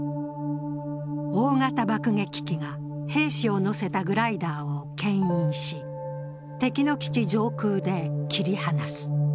大型爆撃機が兵士を乗せたグライダーをけん引し、敵の基地上空で切り離す。